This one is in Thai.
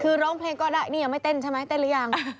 คือร้องเพลงก็ได้นี่ยังไม่เต้นใช่ไหมเต้นหรือยัง